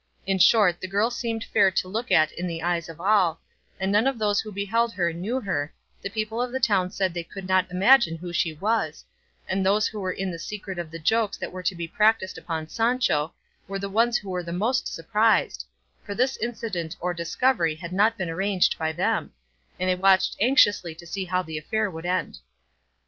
In short, the girl seemed fair to look at in the eyes of all, and none of those who beheld her knew her, the people of the town said they could not imagine who she was, and those who were in the secret of the jokes that were to be practised upon Sancho were the ones who were most surprised, for this incident or discovery had not been arranged by them; and they watched anxiously to see how the affair would end.